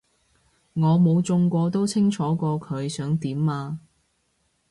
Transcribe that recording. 我冇中過都清楚過佢想點啊